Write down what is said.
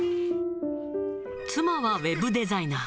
妻はウェブデザイナー。